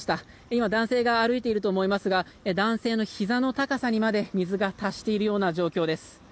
今、男性が歩いていると思いますが男性のひざの高さにまで水が達しているような状況です。